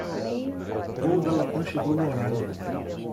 O voo da Latam chegou no horário.